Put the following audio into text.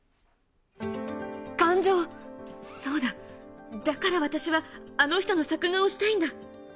感情、そうだ、だから私はあの人の作画をしたいんだ。